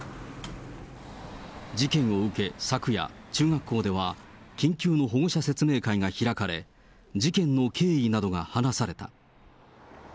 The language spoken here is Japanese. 事件を受け昨夜、中学校では緊急の保護者説明会が開かれ、事件の経緯などが話された。